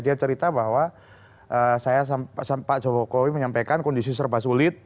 dia cerita bahwa saya pak jokowi menyampaikan kondisi serba sulit